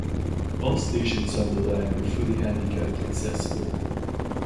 All stations on the line are fully handicapped accessible.